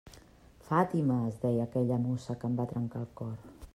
Fàtima, es deia aquella mossa que em va trencar el cor.